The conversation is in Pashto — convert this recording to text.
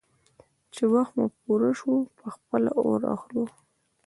_چې وخت مو پوره شو، په خپله اور اخلو.